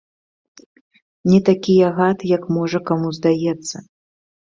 Не такі я гад, як, можа, каму здаецца.